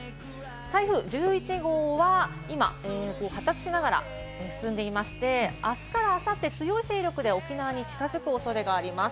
台風１１号は、今、発達しながら進んでいまして、あすからあさって、強い勢力で沖縄に近づく恐れがあります。